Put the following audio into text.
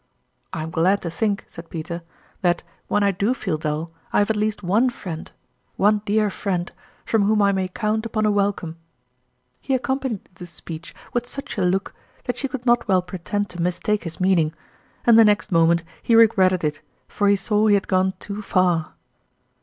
"I am glad to think," said Peter, "that, when I do feel dull, I have at least one friend one dear friend from whom I may count upon a welcome !" He accompanied this speech with such a ficmrtl) Cheque. look, that she could not well pretend to mis take his meaning ; and the next moment he re gretted it, for he saw he had gone too far.